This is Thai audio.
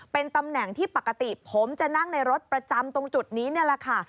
เป็นตำแหน่งที่ปกติผมจะนั่งในรถประจำตรงจุดนี้นี่แหละค่ะ